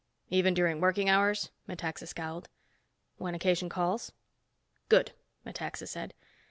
"Even during working hours?" Metaxa scowled. "When occasion calls." "Good," Metaxa said.